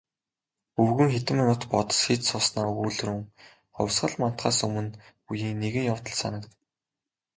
Өвгөн хэдэн минут бодос хийж сууснаа өгүүлрүүн "Хувьсгал мандахаас өмнө үеийн нэгэн явдал санагдана".